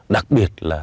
đặc biệt là